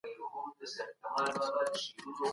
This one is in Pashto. د شخصیت جوړونه په څه پوري تړلې ده؟